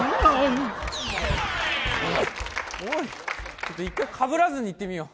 ちょっと１回かぶらずにいってみよう。